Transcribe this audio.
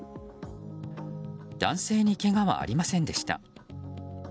男性にけがはありませんでした。